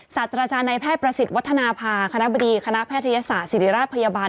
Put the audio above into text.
ศาสตราจารย์ในแพทย์ประสิทธิ์วัฒนภาคณะบดีคณะแพทยศาสตร์ศิริราชพยาบาล